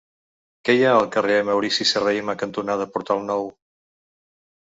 Què hi ha al carrer Maurici Serrahima cantonada Portal Nou?